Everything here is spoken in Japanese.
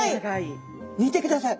見てください。